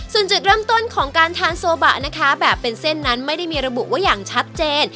ส่วนจุดเริ่มต้นของการทานโซบะนะคะแบบเป็นเส้นนั้นไม่ได้มีระบุว่าอย่างชัดเจน